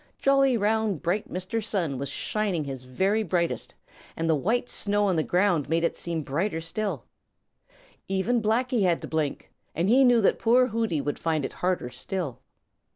Jolly, round, bright Mr. Sun was shining his very brightest, and the white snow on the ground made it seem brighter still. Even Blacky had to blink, and he knew that poor Hooty would find it harder still.